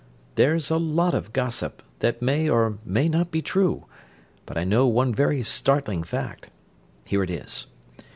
There's a lot of gossip, that may or may not be true, but I know one very startling fact. Here it is.